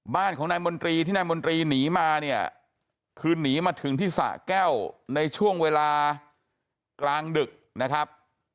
บ้านของนายมนตรีที่นายมนตรีหนีมาเนี่ยคือหนีมาถึงที่สะแก้วในช่วงเวลากลางดึกนะครับ